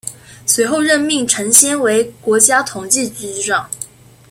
随后任命陈先为国家统计局局长。